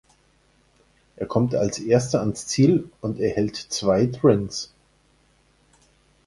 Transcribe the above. Er kommt als Erster ans Ziel und erhält zwei Drinks.